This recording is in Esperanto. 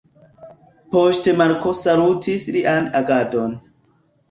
Poŝtmarko salutis lian agadon.